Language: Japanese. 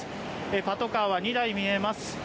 パトカーは２台見えます。